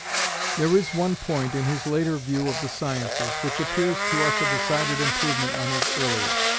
There is one point in his later view of the sciences, which appears to us a decided improvement on his earlier.